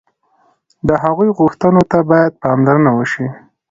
د هغوی غوښتنو ته باید پاملرنه وشي.